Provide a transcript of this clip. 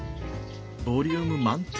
ボリューム満点！